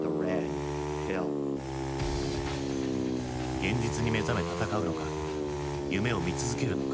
現実に目覚め戦うのか夢を見続けるのか。